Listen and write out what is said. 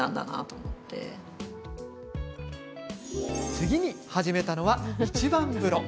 次に始めたのは一番風呂。